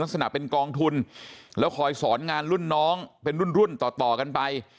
ลักษณะเป็นกองทุนแล้วคอยสอนงานรุ่นน้องเป็นรุ่นรุ่นต่อต่อกันไป